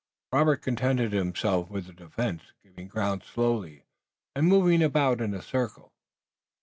Robert contented himself with the defense, giving ground slowly and moving about in a circle.